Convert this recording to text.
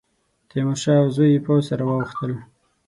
تیمورشاه او زوی یې پوځ سره واوښتل.